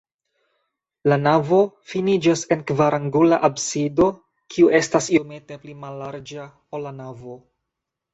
La navo finiĝas en kvarangula absido, kiu estas iomete pli mallarĝa, ol la navo.